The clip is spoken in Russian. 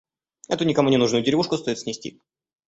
Эту никому ненужную деревушку стоит снести.